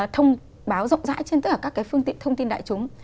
thông báo rộng rãi trên tất cả các phương tiện thông tin đại chúng